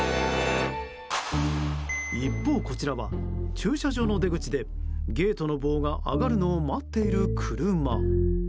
一方、こちらは駐車場の出口でゲートの棒が上がるのを待っている車。